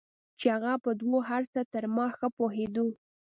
چې هغه په دو هرڅه تر ما ښه پوهېدو.